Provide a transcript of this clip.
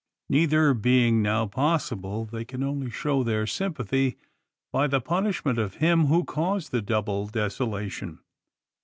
Neither being now possible, they can only show their sympathy by the punishment of him who has caused the double desolation.